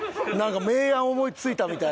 名案思いついたみたいな。